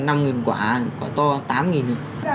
năm nghìn quả quả to tám nghìn